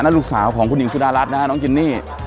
ลูกสาวของคุณหญิงสุดารัฐนะฮะน้องจินนี่